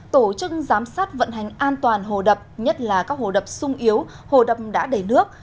tổ chức giám sát vận hành an toàn hồ đập nhất là các hồ đập sung yếu hồ đập đã đầy nước